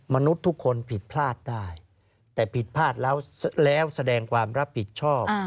มนุษย์ทุกคนผิดพลาดได้แต่ผิดพลาดแล้วแล้วแสดงความรับผิดชอบ